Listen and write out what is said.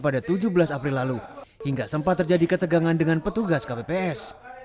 pada tujuh belas april lalu hingga sempat terjadi ketegangan dengan petugas kpps